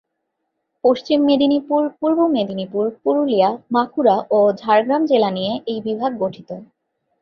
পশ্চিম মেদিনীপুর, পূর্ব মেদিনীপুর, পুরুলিয়া, বাঁকুড়া ও ঝাড়গ্রাম জেলা নিয়ে এই বিভাগ গঠিত।